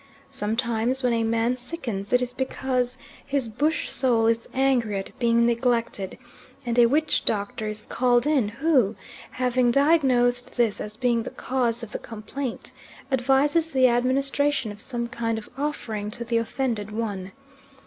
Sometimes when a man sickens it is because his bush soul is angry at being neglected, and a witch doctor is called in, who, having diagnosed this as being the cause of the complaint, advises the administration of some kind of offering to the offended one.